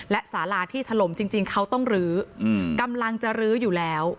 และสาราที่ถล่มจริงเขาต้องลื้อกำลังจะลื้ออยู่แล้ว